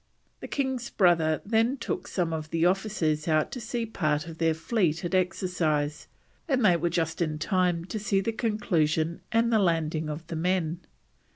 The king's brother then took some of the officers out to see a part of their fleet at exercise, and they were just in time to see the conclusion and the landing of the men.